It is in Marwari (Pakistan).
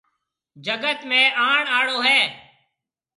جگت ۾ آڻ آݪو هيَ۔